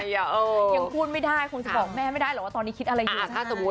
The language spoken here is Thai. ยังพูดไม่ได้คงจะบอกแม่ไม่ได้หรอกว่าตอนนี้คิดอะไรอยู่ถ้าสมมุติ